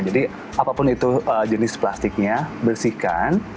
jadi apapun itu jenis plastiknya bersihkan